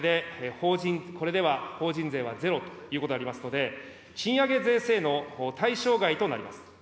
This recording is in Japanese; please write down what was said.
これでは法人税はゼロということでありますので、賃上げ税制の対象外となります。